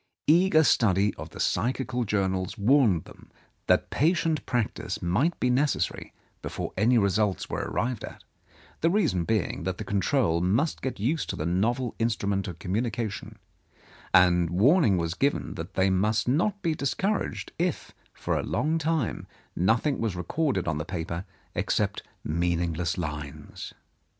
Eager study of the psychical journals warned them that patient practice might be necessary before any results were arrived at, the reason being that the control must get used to the novel instrument of communication; and warning was given that they must not be discouraged if for a long time nothing was recorded on the paper except meaningless lines.